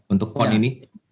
untuk pon ini